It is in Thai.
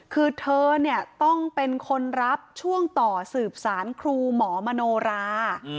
คือเธอเนี่ยต้องเป็นคนรับช่วงต่อสืบสารครูหมอมโนรา